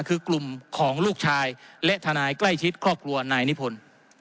คือกลุ่มของลูกชายและทนายใกล้ชิดครอบครัวนายนิพนธ์